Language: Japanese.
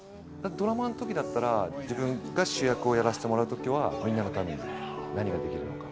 ドラマのときだったら、自分が主役をやらせてもらうときは、みんなのために何ができるのか。